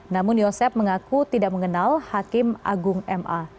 namun yosep mengaku tidak mengenal hakim agung ma